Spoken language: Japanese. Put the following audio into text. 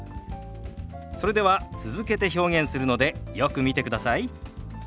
それでは続けて表現するのでよく見てください。